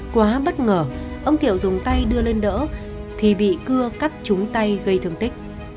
quá bất ngờ ông kiểu dùng tay đưa lên đỡ thì bị cưa cắt trúng tay gây thương tích